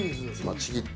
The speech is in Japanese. ちぎって。